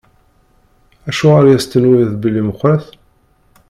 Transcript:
Acuɣer i as-tenwiḍ belli meqqṛet?